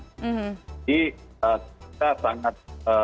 jadi kita sangat